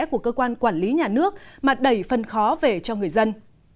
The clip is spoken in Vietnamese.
của cơ quan quản lý nhà nước mà đẩy phân khó về cho người dân